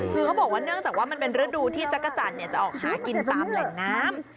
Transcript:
คือเขาบอกว่าเนื่องจากว่ามันเป็นฤดูที่จักรจันทร์จะออกหากินตามแหล่งน้ำ